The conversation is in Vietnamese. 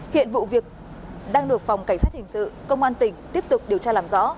hiện vụ việc đang được phòng cảnh sát hình sự công an tỉnh tiếp tục điều tra làm rõ